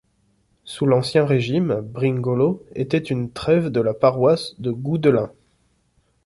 Sous l’ancien régime, Bringolo était une trève de la paroisse de Goudelin.